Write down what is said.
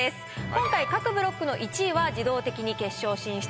今回各ブロックの１位は自動的に決勝進出。